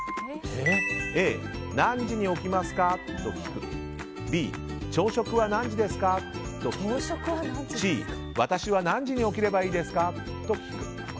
Ａ、何時に起きますか？と聞くＢ、朝食は何時ですか？と聞くＣ、私は何時に起きればいいですか？と聞く。